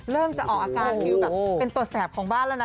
จะออกอาการวิวแบบเป็นตัวแสบของบ้านแล้วนะ